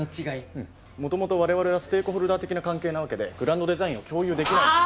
うんもともとわれわれはステークホルダー的な関係なわけでグランドデザインを共有できないあ！